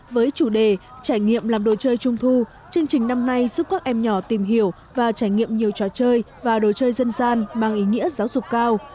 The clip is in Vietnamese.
với chủ đề trải nghiệm làm đồ chơi trung thu chương trình năm nay giúp các em nhỏ tìm hiểu và trải nghiệm nhiều trò chơi và đồ chơi dân gian mang ý nghĩa giáo dục cao